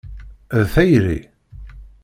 D tayri?